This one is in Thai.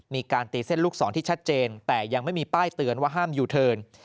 มีการตีเส้นลูกศรที่ชัดเจนแต่ยังไม่มีป้ายเตือนว่าห้ามยูเทิร์น